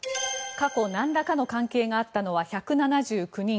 過去なんらかの関係があったのは１７９人。